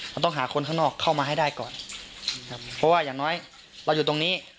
มันต้องหาคนข้างนอกเข้ามาให้ได้ก่อนครับเพราะว่าอย่างน้อยเราอยู่ตรงนี้